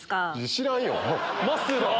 知らんよ。